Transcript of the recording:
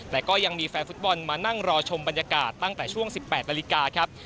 แต่ก็ยังมีแฟนฟุตบอลมานั่งรอชมบรรยากาศตั้งแต่ช่วง๑๘นาฬิกาครับ